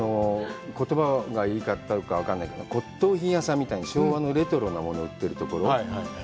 言葉がいいかどうか、分からないけど、骨とう品屋さんみたいに昭和のレトロなものを売っているところ。